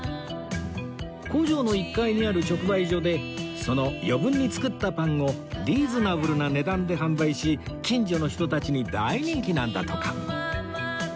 工場の１階にある直売所でその余分に作ったパンをリーズナブルな値段で販売し近所の人たちに大人気なんだとか